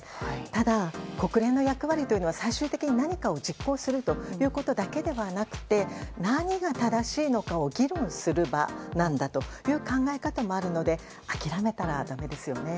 ただ、国連の役割というのは最終的に何かを実行するということだけではなくて何が正しいのかを議論する場なんだという考え方もあるので諦めたらだめですよね。